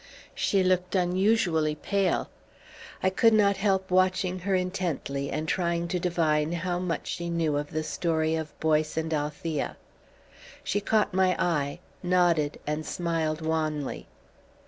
She looked unusually pale. I could not help watching her intently and trying to divine how much she knew of the story of Boyce and Althea. She caught my eye, nodded, and smiled wanly.